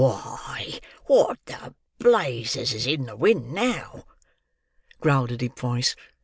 "Why, what the blazes is in the wind now!" growled a deep voice.